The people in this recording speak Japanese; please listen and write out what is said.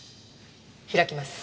開きます。